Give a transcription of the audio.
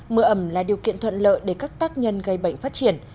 mưa ẩm là điều kiện thuận lợi để các tác nhân gây bệnh phát triển